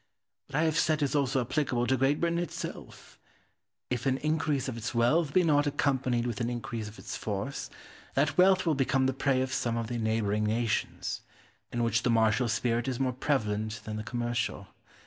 What I have said is also applicable to Great Britain itself. If an increase of its wealth be not accompanied with an increase of its force that wealth will become the prey of some of the neighbouring nations, in which the martial spirit is more prevalent than the commercial.